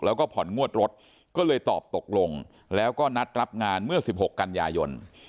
แล้วก็ผ่อนงวดรถก็เลยตอบตกลงแล้วก็นัดรับงานเมื่อ๑๖กันยายน